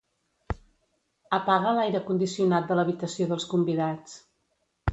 Apaga l'aire condicionat de l'habitació dels convidats.